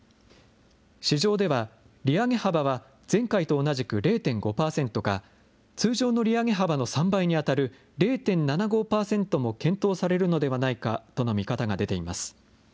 市場では、利上げ幅は前回と同じく０．５％か、通常の利上げ幅の３倍に当たる０．７５％も検討されるのではないかとの見方が出ています。